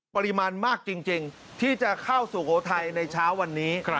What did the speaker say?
ปริมาณมากจริงที่จะเข้าสู่สุโขทัยในเช้าวันนี้